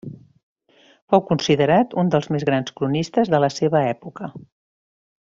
Fou considerat un dels més grans cronistes de la seva època.